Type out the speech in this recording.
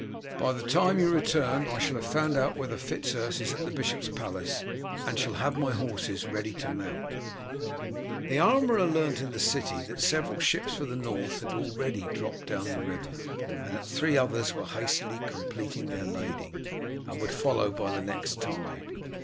"By the time you return I shall have found out whether Fitz Urse is at the bishop's palace, and shall have my horses ready to mount." The armourer learnt in the city that several ships for the North had already dropped down the river, and that three others were hastily completing their lading, and would follow by the next tide.